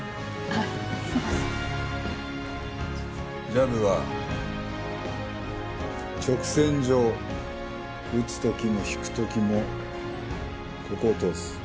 ジャブは直線上打つ時も引く時もここを通す。